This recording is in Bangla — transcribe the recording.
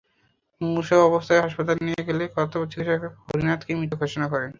মুমূর্ষু অবস্থায় হাসপাতালে নিয়ে গেলে কর্তবরত চিকিৎসক হরিনাথকে মৃত ঘোষণা করেন।